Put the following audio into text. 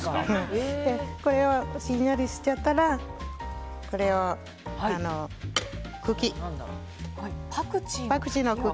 これがしんなりしちゃったらパクチーの茎。